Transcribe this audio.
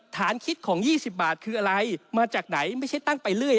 คิดของ๒๐บาทคืออะไรมาจากไหนไม่ใช่ตั้งไปเรื่อย